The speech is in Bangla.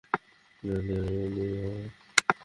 চার দেয়ালে বন্দি হওয়া।